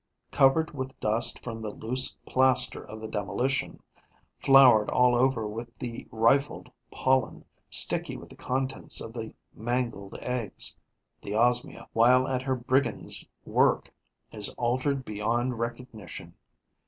Covered with dust from the loose plaster of the demolition, floured all over with the rifled pollen, sticky with the contents of the mangled eggs, the Osmia, while at her brigand's work, is altered beyond recognition.